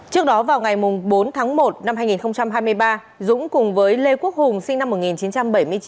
trước đó vào ngày bốn tháng một năm hai nghìn hai mươi ba dũng cùng với lê quốc hùng sinh năm một nghìn chín trăm bảy mươi chín